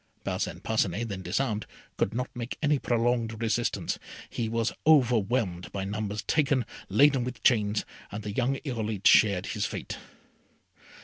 Parcin Parcinet, then disarmed, could not make any prolonged resistance. He was overwhelmed by numbers, taken, laden with chains, and the young Irolite shared his fate.